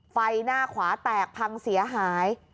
ไฟหน้าขวาแตกพังเสียหาย